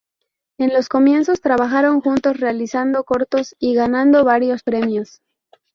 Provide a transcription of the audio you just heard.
En los comienzos trabajaron juntos realizando cortos y ganando varios premios.